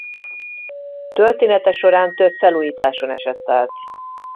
Története során több felújításon esett át.